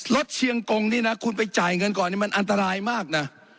เชียงกงนี่นะคุณไปจ่ายเงินก่อนนี่มันอันตรายมากนะ